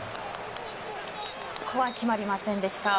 ここは決まりませんでした。